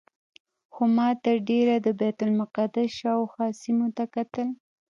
خو ما تر ډېره د بیت المقدس شاوخوا سیمو ته کتل.